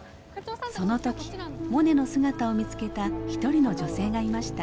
その時モネの姿を見つけた一人の女性がいました。